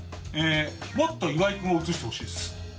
もっと岩井君を映してほしいです。